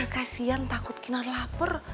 kasian takut kinar lapar